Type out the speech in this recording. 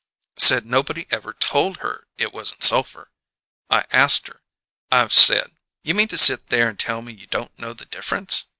Said nobody ever told her it wasn't sulphur! I asked her: I said: 'You mean to sit there and tell me you don't know the difference?'